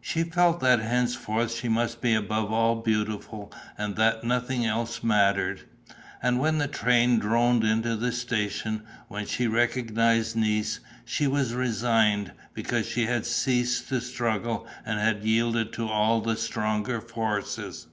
She felt that henceforth she must be above all beautiful and that nothing else mattered. And when the train droned into the station, when she recognized Nice, she was resigned, because she had ceased to struggle and had yielded to all the stronger forces.